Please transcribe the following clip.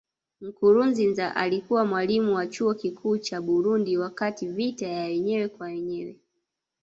Nkurunziza alikuwa mwalimu wa Chuo Kikuu cha Burundi wakati vita ya wenyewe kwa wenyewe